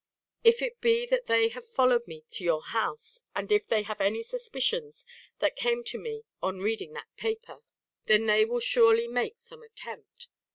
If it be that they have followed me to your house, and if they have any suspicions that came to me on reading that paper, then they will surely make some attempt."